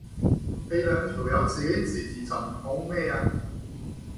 你兩條友自己吱吱朕講乜啊？